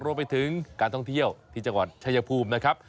รวมไปถึงการท่องเที่ยวที่จังหวัดชายภูมินะครับ